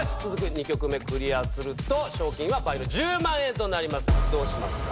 ２曲目クリアすると賞金は倍の１０万円となりますどうしますか？